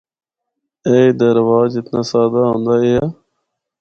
ایہہ دا رواج اتنا سادہ ہوندا ایہا۔